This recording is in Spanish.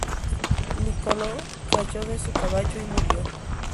Niccolò cayó de su caballo y murió.